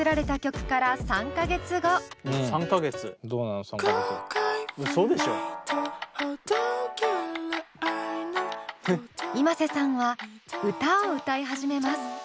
このｉｍａｓｅさんは歌を歌い始めます。